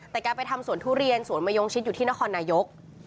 แต่แกไปทำสวนทุเรียนสวนมะยงชิดอยู่ที่นครนายก